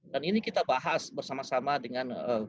dan ini kita bahas bersama sama dengan bapak ibu